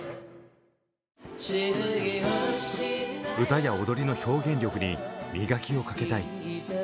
「歌や踊りの表現力に磨きをかけたい」。